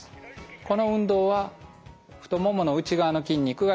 この運動は太ももの内側の筋肉が鍛えられます。